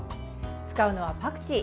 使うのはパクチー。